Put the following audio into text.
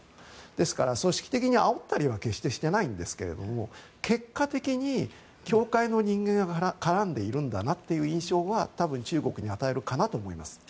ですから、組織的にあおったりは決してしてないんですが結果的に教会の人間が絡んでいるんだなという印象は多分、中国に与えるかなと思います。